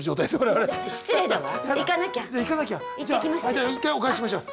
じゃあ一回お返ししましょう。